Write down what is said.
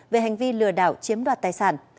về hành vi lừa đảo chiếm đoạt tài sản